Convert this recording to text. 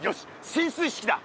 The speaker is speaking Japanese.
進水式だ！